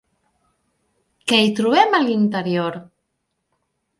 Què hi trobem a l'interior?